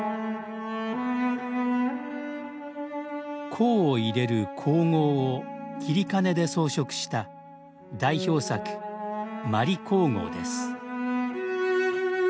香を入れる香合を截金で装飾した代表作「まり香合」です